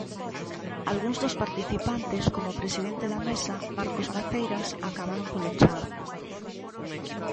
Algúns dos participantes, como o presidente da Mesa, Marcos Maceiras, acabaron polo chan.